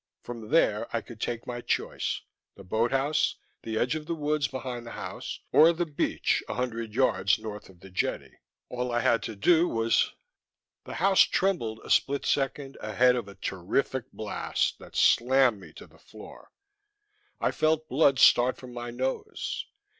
From there I could take my choice: the boathouse, the edge of the woods behind the house, or the beach a hundred yards north of the jetty. All I had to do was The house trembled a split second ahead of a terrific blast that slammed me to the floor. I felt blood start from my nose.